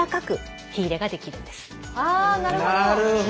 なるほど。